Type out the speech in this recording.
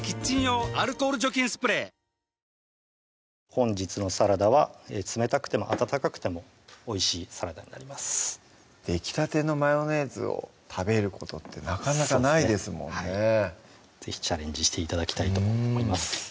本日のサラダは冷たくても温かくてもおいしいサラダになりますできたてのマヨネーズを食べることってなかなかないですもんね是非チャレンジして頂きたいと思っております